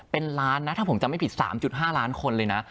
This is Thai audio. เป็นล้านนะจะไม่ผิด๓๕ล้านคนเลยนะ